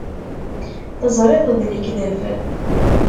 Teẓriḍ d lekdeb.